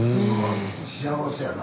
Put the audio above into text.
幸せやな。